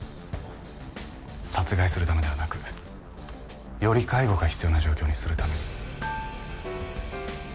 殺害するためではなくより介護が必要な状況にするために。